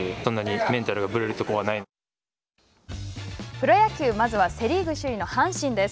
プロ野球まずはセ・リーグ首位の阪神です。